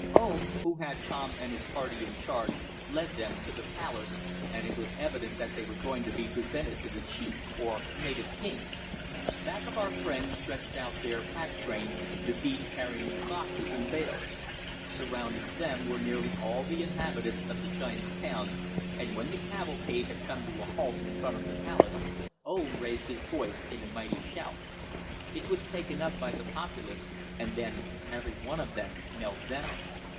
Oom, who had Tom and his party in charge, led them to the "palace" and it was evident that they were going to be presented to the chief or native king. Back of our friends stretched out their pack train, the beasts carrying the boxes and bales. Surrounding them were nearly all the inhabitants of the giants' town, and when the cavalcade had come to a halt in front of the "palace," Oom raised his voice in a mighty shout. It was taken up by the populace, and then every one of them knelt down.